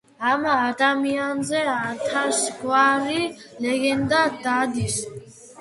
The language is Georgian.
ამ ადამიანზე ათასგვარი ლეგენდა დადის.